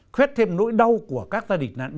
khuét thêm nỗi đau của các gia đình nạn nhân